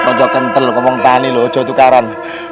konco kental komong tani loh jauh tukaran